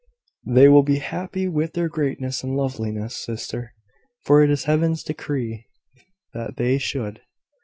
"They will be happy with their greatness and loveliness, sister; for it is Heaven's decree that they should.